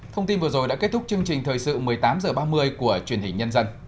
thông tin vừa rồi đã kết thúc chương trình thời sự một mươi tám h ba mươi của truyền hình nhân dân